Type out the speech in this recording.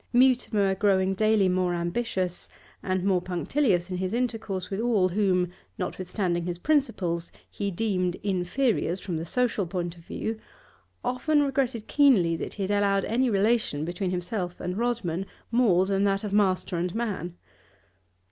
Mutimer, growing daily more ambitious and more punctilious in his intercourse with all whom, notwithstanding his principles, he deemed inferiors from the social point of view, often regretted keenly that he had allowed any relation between himself and Rodman more than that of master and man.